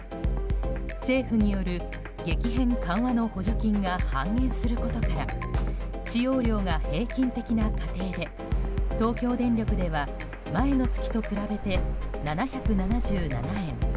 政府による激変緩和の補助金が半減することから使用量が平均的な家庭で東京電力では前の月と比べて７７７円